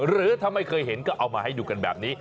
หรือถ้าไม่เคยเห็นก็เอามาให้ดูกันแบบนี้